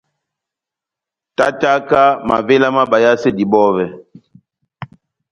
Tátáka mavéla má bayasedi bɔvɛ.